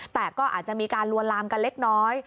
แต่ก็อาจจะมีการลวนลามกันเล็กน้อย